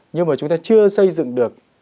nhưng mà chúng ta chưa xây dựng được